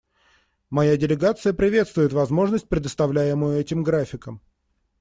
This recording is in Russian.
Моя делегация приветствует возможность, предоставляемую этим графиком.